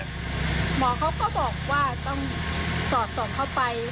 หมอเขาก็บอกว่าต้องสอดส่องเข้าไป